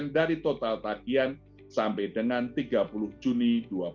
dari total tagian sampai dengan tiga puluh juni dua ribu dua puluh